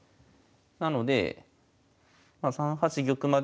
なのでまあ３八玉までは囲うと。